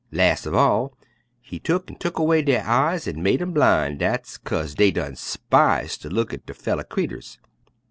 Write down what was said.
Las' uv all He tuck an' tuck 'way der eyes an' made 'em blin', dat's 'kase dey done 'spise ter look at der feller creeturs.